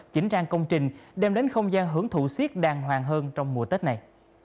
chỉnh trang công trình đem đến không gian hưởng thụ siết đàng hoàng hơn trong mùa tết này